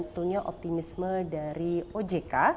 tentunya optimisme dari ojk